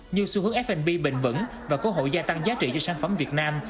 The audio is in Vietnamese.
nhiều xu hướng f b bình vững và cố hội gia tăng giá trị cho sản phẩm việt nam